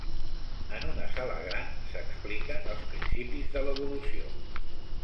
En una sala gran s"expliquen els principis de l'evolució